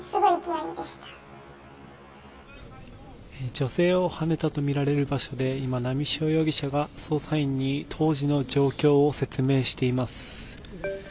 女性をはねたとみられる場所で今、波汐容疑者が捜査員に当時の状況を説明しています。